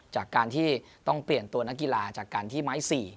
จากการที่ต้องเปลี่ยนตัวนักกีฬาจากการที่ไม้๔